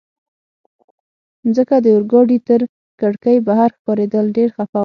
مځکه د اورګاډي تر کړکۍ بهر ښکارېدل، ډېر خفه وم.